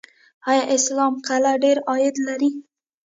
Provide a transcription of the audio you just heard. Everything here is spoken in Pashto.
آیا اسلام قلعه ډیر عاید لري؟